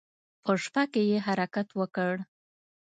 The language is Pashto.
په شپه کې يې حرکت وکړ.